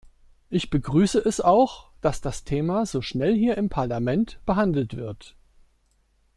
Ich begrüße es auch, dass das Thema so schnell hier im Parlament behandelt wird.